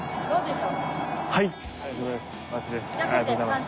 ありがとうございます。